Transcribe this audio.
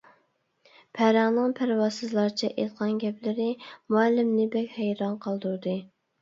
پەرەڭنىڭ پەرۋاسىزلارچە ئېيتقان گەپلىرى مۇئەللىمنى بەك ھەيران قالدۇردى.